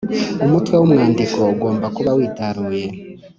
Umutwew’umwandiko ugomba kuba witaruye